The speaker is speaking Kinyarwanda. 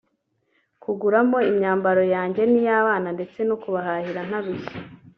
kuguramo imyambaro yanjye n’iy’abana ndetse no kubahahira ntarushye